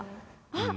あっ！